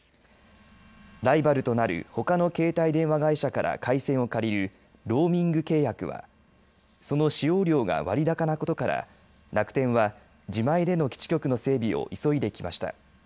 ライバルとなる、ほかの携帯電話会社から回線を借りるローミング契約はその使用料が割高なことから楽天は自前での基地局の整備を急いできました。